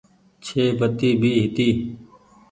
ڇي بتي ڀي هيتي۔